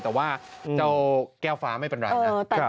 แต่ว่าเจ้าแก้วฟ้าไม่เป็นไรนะ